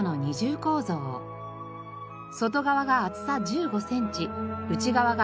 外側が厚さ１５センチ内側が